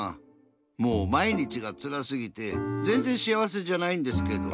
もうまいにちがつらすぎてぜんぜん幸せじゃないんですけど。